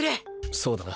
そうだな。